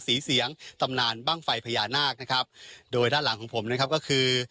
สีเสียงตำนานบ้างไฟพญานาคนะครับโดยด้านหลังของผมนะครับก็คือ